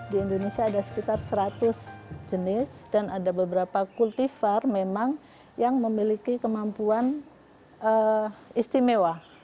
di indonesia ada sekitar seratus jenis dan ada beberapa kultifar memang yang memiliki kemampuan istimewa